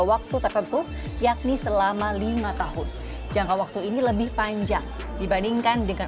waktu tertentu yakni selama lima tahun jangka waktu ini lebih panjang dibandingkan dengan